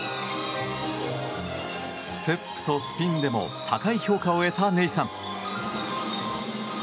ステップとスピンでも高い評価を得たネイサン。